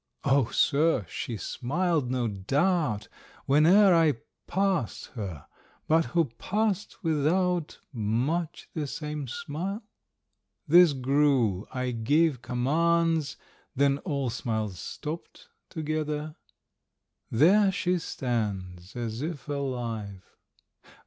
Oh sir, she smiled, no doubt, Whene'er I passed her; but who passed without Much the same smile? This grew; I gave commands; Then all smiles stopped together. There she stands As if alive.